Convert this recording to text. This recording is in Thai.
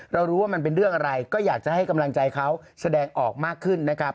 เรารู้ว่ามันเป็นเรื่องอะไรก็อยากจะให้กำลังใจเขาแสดงออกมากขึ้นนะครับ